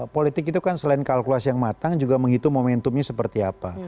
politik itu kan selain kalkulasi yang matang juga menghitung momentumnya seperti apa